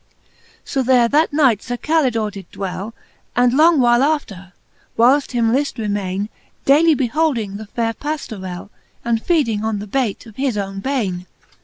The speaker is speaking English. XXXIV. So there that night Sir Calidore did dwell, And long while after, whileft him lift reiiiaine, Dayly beholding the faire Paftofell, And feeding on the bayt of his owne bane.